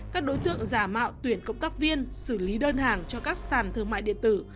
các đối tượng giả mạo tuyển cộng tác viên xử lý đơn hàng cho các sàn thương mại điện tử